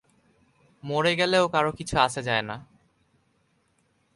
মরে গেলেও কারো কিছু যায় আসে না।